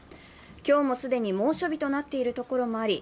今日も既に猛暑日となっている所もあり